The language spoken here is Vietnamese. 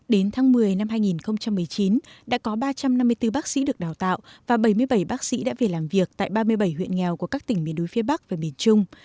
đến tháng một mươi năm hai nghìn một mươi chín đã có ba trăm năm mươi bốn bác sĩ được đào tạo và bảy mươi bảy bác sĩ đã về làm việc tại ba mươi bảy huyện nghèo của các tỉnh miền đối phía bắc và miền trung